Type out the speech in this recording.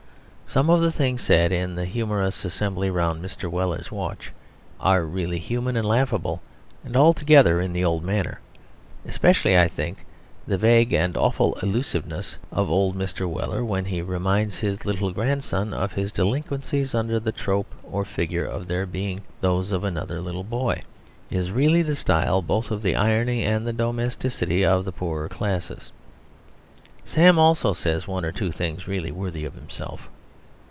Some of the things said in the humorous assembly round Mr. Weller's Watch are really human and laughable and altogether in the old manner. Especially, I think, the vague and awful allusiveness of old Mr. Weller when he reminds his little grandson of his delinquencies under the trope or figure of their being those of another little boy, is really in the style both of the irony and the domesticity of the poorer classes. Sam also says one or two things really worthy of himself.